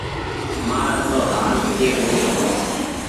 مآر آسو هآل ڪير ني هووي۔